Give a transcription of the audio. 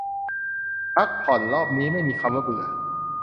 พักผ่อนรอบนี้ไม่มีคำว่าเบื่อ